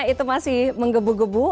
itu masih menggebu gebu